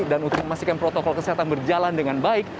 dan untuk memastikan protokol kesehatan berjalan dengan baik